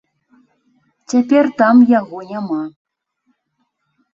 Цяпер там яго няма.